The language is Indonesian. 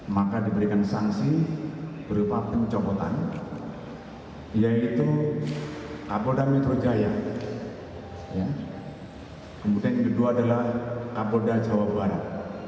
maka diberikan sanksi berupa pencopotan yaitu kapolda metro jaya kemudian yang kedua adalah kapolda jawa barat